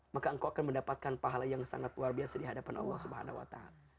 maka engkau akan mendapatkan pahala yang sangat luar biasa di hadapan allah swt